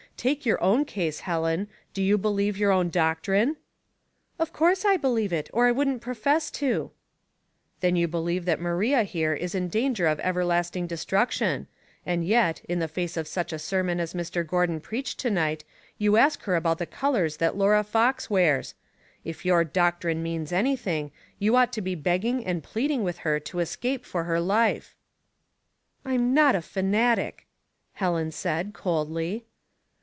Take your own case, Helen. Do yoLi believe your own doctrine? "" Of course I believe it, or I wouldn't profess to. 138 Household Puzzles, " Then you believe that Maria, here, is in clanger of everlasting destruction ; and yet, in the face of such a sermon as Mr. Gordon preached to night you ask her about the colors that Laura Fox wears. If your doctrine means anything, you ought to be begging and pleading with her to escape for her life." "I'm not a fanatic," Helen said, coldy.